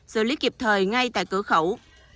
xử lý kịp thời ngay tại cửa khẩu